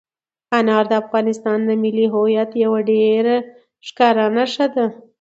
انار د افغانستان د ملي هویت یوه ډېره ښکاره نښه ده.